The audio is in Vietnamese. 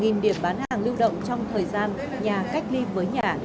nghìn điểm bán hàng lưu động trong thời gian nhà cách ly với nhà